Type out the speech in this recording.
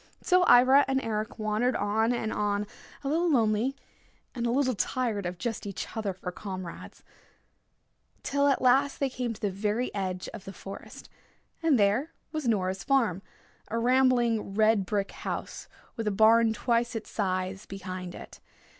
So Ivra and Eric wandered on and on, a little lonely, a little tired of just each other for comrades, till at last they came to the very edge of the forest, and there was Nora's farm, a rambling red brick house, with a barn twice its size behind it.